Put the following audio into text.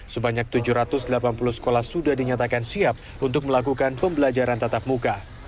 sebanyak tujuh ratus delapan puluh sekolah sudah dinyatakan siap untuk melakukan pembelajaran tatap muka